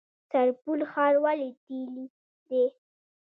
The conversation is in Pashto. سرپل ښار ولې تیلي دی؟